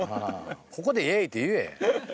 ここで「イエイ」って言え。